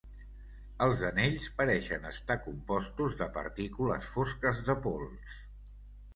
Els anells pareixen estar compostos de partícules fosques de pols.